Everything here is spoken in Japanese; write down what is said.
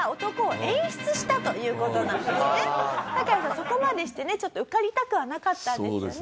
そこまでしてねちょっと受かりたくはなかったんですよね？